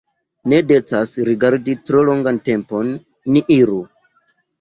Ne decas rigardi tro longan tempon, ni iru!